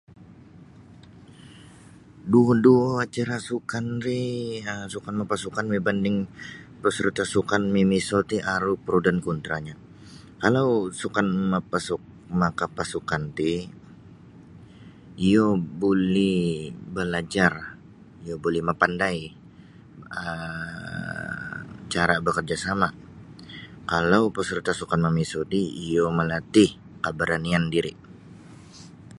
Duo-duo acara sukan ri um sukan mapasukan mibanding peserta sukan mimiso ti aru pro dan kontranyo kalau sukan mapasuk makapasukan ti iyo buli balajar iyo buli mapandai um cara' bakarjasama' kalau peserta' sukan mamiso ti iyo malatih kabaranian diri'.